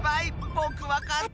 ぼくわかった。